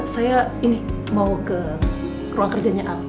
saya ini bawa ke ruang kerjanya